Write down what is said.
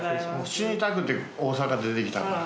死にたくて大阪出てきたから。